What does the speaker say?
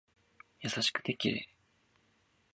優しくて綺麗